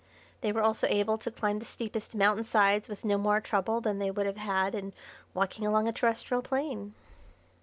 They were also able to climb the steepest mountainsides with no more trouble than they would have had in walking along a terrestrial plain.